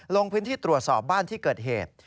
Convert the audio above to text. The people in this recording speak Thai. ลงพื้นที่ตรวจสอบบ้านที่เกิดเหตุ